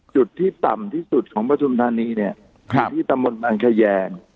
จุดที่ต่ำที่สุดของปฐุมธานีเนี่ยอยู่ที่ตำบลบางแขยง